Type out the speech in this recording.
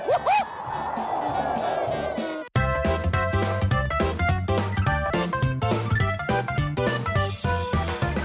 วู้ฮู้